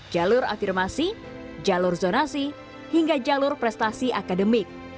jalur afirmasi jalur zonasi hingga jalur prestasi akademik